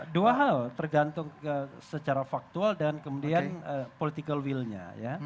dua hal tergantung secara faktual dan kemudian political will nya ya